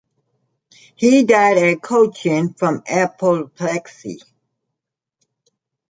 He died at Cochin from apoplexy.